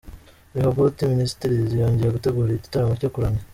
Rehoboti Minisitirizi yongeye gutegura igitaramo cyo kuramya